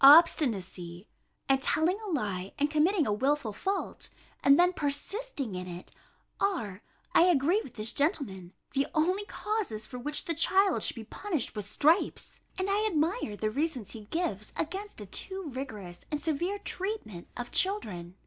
Obstinacy, and telling a lie, and committing a wilful fault, and then persisting in it, are, I agree with this gentleman, the only causes for which the child should be punished with stripes: and I admire the reasons he gives against a too rigorous and severe treatment of children.